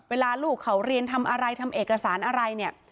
เวลาลูกเขาเรียนทำอะไรทำเอกสารอะไรเนี่ย